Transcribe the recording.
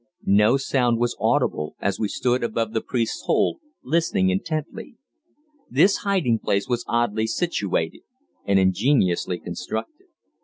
No sound was audible as we stood above the priests' hole, listening intently. This hiding place was oddly situated, and ingeniously constructed.